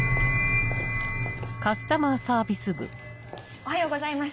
おはようございます